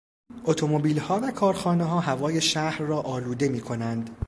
اتومبیلها و کارخانهها هوای شهر را آلوده میکنند.